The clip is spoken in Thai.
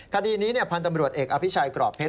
คดีนี้พันธ์ตำรวจเอกอภิชัยกรอบเพชร